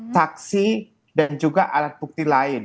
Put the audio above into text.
saksi dan juga alat bukti lain